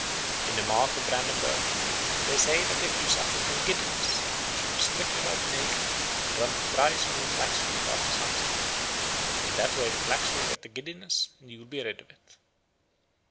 In the Mark of Brandenburg they say that if you suffer from giddiness you should strip yourself naked and run thrice round a flax field after sunset; in that way the flax will get the giddiness and you will be rid of it.